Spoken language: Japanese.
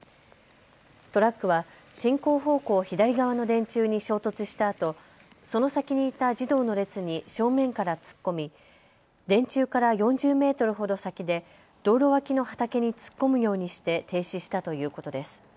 トラックは進行方向左側の電柱に衝突したあとその先にいた児童の列に正面から突っ込み、電柱から４０メートルほど先で道路脇の畑に突っ込むようにして停止したということです。